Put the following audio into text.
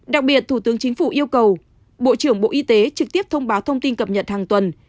đặc biệt thủ tướng chính phủ yêu cầu bộ trưởng bộ y tế trực tiếp thông báo thông tin cập nhật hàng tuần